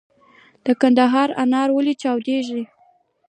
د کندهار انار ولې چاودیږي؟